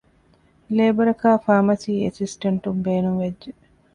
ލޭބަރަކާއި ފާމަސީ އެސިސްޓެންޓުން ބޭނުންވެއްޖެ